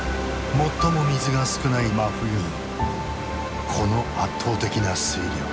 最も水が少ない真冬にこの圧倒的な水量。